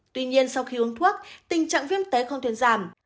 tuy nhiên sau khi uống thuốc tình trạng viêm tấy không tuyến giảm